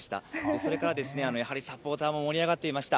それからですね、やはりサポーターも盛り上がっていました。